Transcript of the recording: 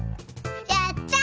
やった！